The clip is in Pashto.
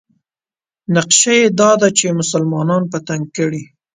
نقشه یې دا ده چې مسلمانان په تنګ کړي.